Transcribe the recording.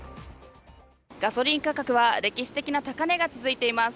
ガソリン価格は歴史的な高値が続いています。